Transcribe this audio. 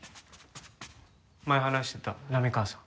前話してた波川さん。